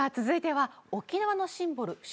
続いては沖縄のシンボル